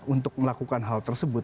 untuk melakukan hal tersebut